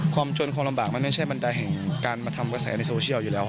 จนความลำบากมันไม่ใช่บันไดแห่งการมาทำกระแสในโซเชียลอยู่แล้ว